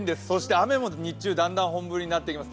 雨も日中、だんだん本降りになってきます。